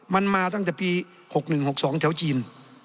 มันมาตั้งแต่ปี๖๑๖๒แถวจีน